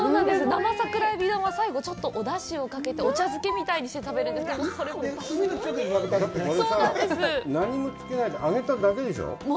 生桜エビ丼は最後ちょっとお出汁をかけてお茶漬けみたいにして、食べるんですけど、それも。